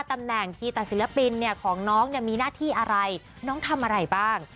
ตำแหน่งคีตะศิลปินเนี่ยของน้องเนี่ยมีหน้าที่อะไรน้องทำอะไรบ้าง